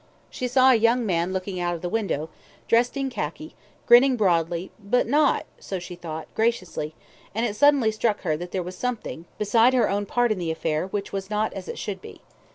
She saw a young man looking out of the window, dressed in khaki, grinning broadly, but not, so she thought, graciously, and it suddenly struck her that there was something, beside her own part in the affair, which was not as it should be.